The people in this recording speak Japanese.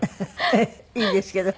いいんですけど。